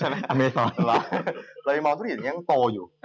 เรายังมองทุกอย่างยังโตอยู่